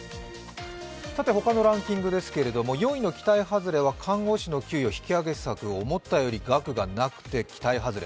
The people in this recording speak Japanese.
ほかのランキングですけれども、４位の期待はずれは看護師の給与ですが、思ったより額がなくて期待はずれ。